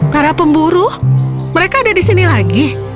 para pemburu mereka ada di sini lagi